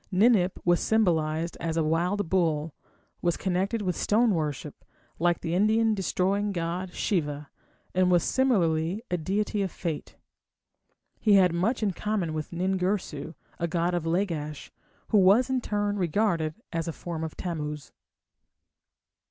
Ninip was symbolized as a wild bull, was connected with stone worship, like the Indian destroying god Shiva, and was similarly a deity of Fate. He had much in common with Nin Girsu, a god of Lagash, who was in turn regarded as a form of Tammuz.